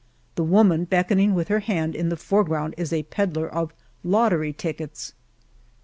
The woman beckoning with her hand in the foreground is a pedler of lottery tickets y